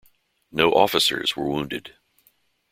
No officers were wounded.